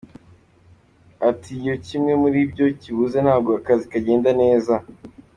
Ati “Iyo kimwe muri byo kibuze ntabwo akazi kagenda neza.